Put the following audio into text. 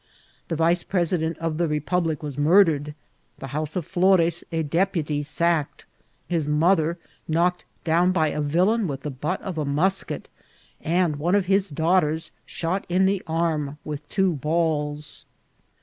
The vice president of the republic was murdered ; the house of Flores, a deputy, sacked, his mother knocked down by a villain vrith the butt of a musket, and one of his daughters shot in the arm with two balls.